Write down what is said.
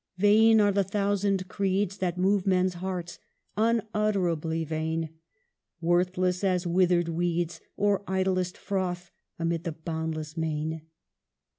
"Vain are the thousand creeds That move men's hearts : unutterably vain ; Worthless as withered weeds, Or idlest froth amid the boundless main.